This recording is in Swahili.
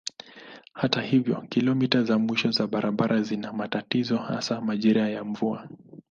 Hata hivyo kilomita za mwisho za barabara zina matatizo hasa majira ya mvua.